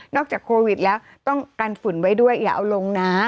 จากโควิดแล้วต้องกันฝุ่นไว้ด้วยอย่าเอาลงนะ